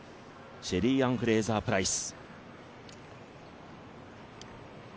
シェリーアン・フレイザー・プライス。